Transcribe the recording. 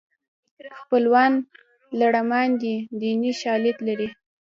خپلوان لړمان دي دیني شالید لري